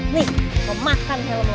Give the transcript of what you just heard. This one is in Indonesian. nih mau makan helm lo